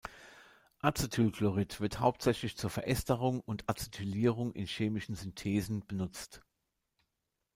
Acetylchlorid wird hauptsächlich zur Veresterung und Acetylierung in chemischen Synthesen benutzt.